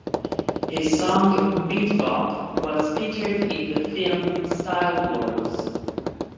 His song "Beat Bop" was featured in the film "Style Wars".